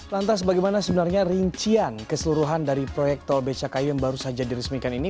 lantas bagaimana sebenarnya rincian keseluruhan dari proyek tol becakayu yang baru saja diresmikan ini